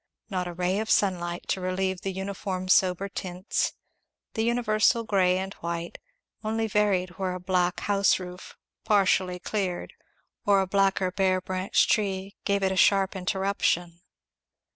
Nor a ray of sunlight to relieve the uniform sober tints, the universal grey and white, only varied where a black house roof, partially cleared, or a blacker bare branched tree, gave it a sharp interruption.